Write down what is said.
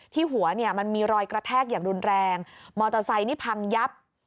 หัวเนี่ยมันมีรอยกระแทกอย่างรุนแรงมอเตอร์ไซค์นี่พังยับ